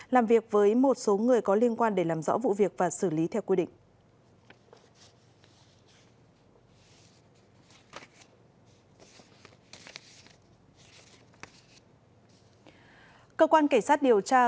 làm việc với một số người có liên quan để làm rõ vụ việc và xử lý theo quy định